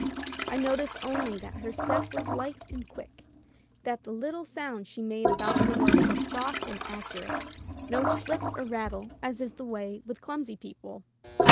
I noticed only that her step was light and quick, that the little sounds she made about her work were soft and accurate ; no slip or rattle as is the way with clumsy people.